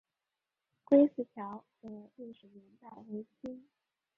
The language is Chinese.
归驷桥的历史年代为清。